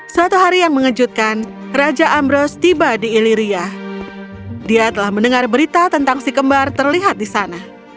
suatu hari yang mengejutkan raja ambros tiba di illiria dia telah mendengar berita tentang si kembar terlihat di sana